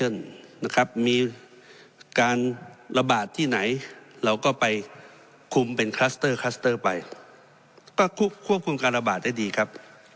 นะครับมีการระบาดที่ไหนเราก็ไปคุมเป็นไปก็ควบคุมการระบาดได้ดีครับ